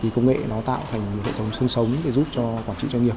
công nghệ tạo thành một hệ thống sương sống để giúp cho quản trị doanh nghiệp